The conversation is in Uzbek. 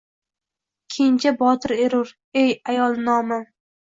Kenja botir erur, ey, ayol, nomim